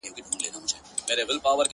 دې يوه لمن ښكلا په غېږ كي ايښې ده,